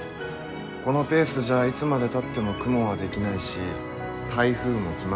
このペースじゃいつまでたっても雲は出来ないし台風も来ませんよ？